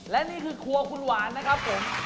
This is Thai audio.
และนี่คือครัวคุณหวานนะครับผม